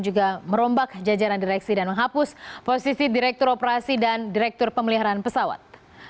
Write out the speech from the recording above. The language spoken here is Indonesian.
juga merombak jajaran direksi dan menghapus posisi direktur operasi dan direktur pemeliharaan pesawat